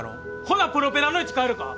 ほなプロペラの位置変えるか？